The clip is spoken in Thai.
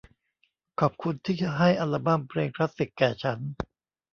ขอบคุณที่ให้อัลบั้มเพลงคลาสสิคแก่ฉัน